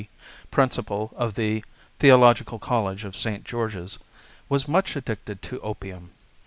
Principal of the Theological College of St. George's, was much addicted to opium.